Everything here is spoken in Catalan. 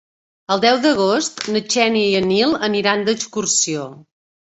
El deu d'agost na Xènia i en Nil aniran d'excursió.